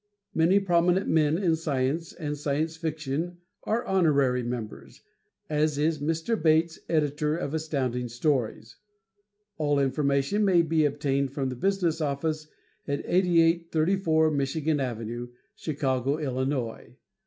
Many prominent men in science and Science Fiction are honorary members, as is Mr. Bates, Editor of Astounding Stories. All information may be obtained from the business office at 8834 Michigan Ave., Chicago, Illinois.